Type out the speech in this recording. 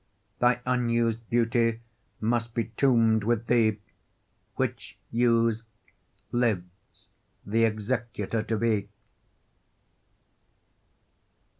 Thy unused beauty must be tombed with thee, Which, used, lives th' executor to be.